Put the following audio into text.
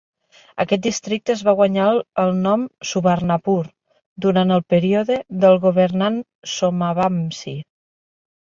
Aquest districte es va guanyar el nom "Subarnapur" durant el període del governant Somavamsi.